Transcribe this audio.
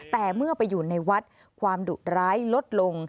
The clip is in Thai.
แต่เมื่อไปอยู่ในวัดความดุร้ายลดลง